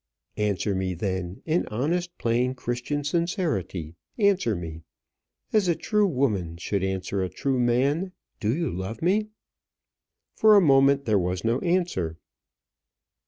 "Answer me, then. In honest, plain, Christian sincerity, answer me; as a true woman should answer a true man. Do you love me?" For a moment there was no answer.